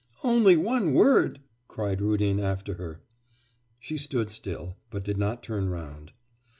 'Only one word!' cried Rudin after her She stood still, but did not turn round.